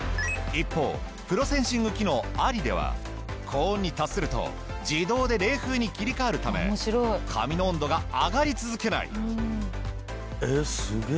一方プロセンシング機能ありでは高温に達すると自動で冷風に切り替わるため髪の温度が上がり続けない。